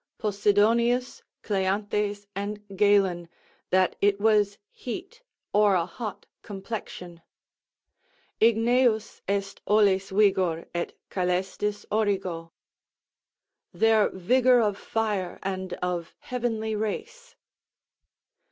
Posidonius, Cleanthes, and Galen, that it was heat or a hot complexion Igneus est ollis vigor, et colestis origo; "Their vigour of fire and of heavenly race."